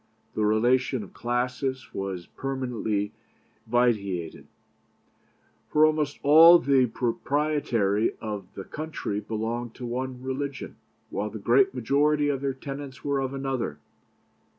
The relation of classes was permanently vitiated; for almost all the proprietary of the country belonged to one religion, while the great majority of their tenants were of another.